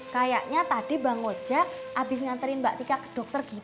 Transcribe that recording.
kayaknya tadi bang ojak abis nganterin mbak tika ke dokter gitu mbak